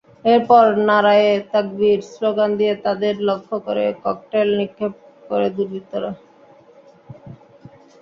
এরপর নারায়ে তাকবির স্লোগান দিয়ে তাঁদের লক্ষ্য করে ককটেল নিক্ষেপ করে দুর্বৃত্তরা।